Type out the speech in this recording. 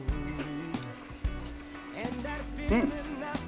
うん！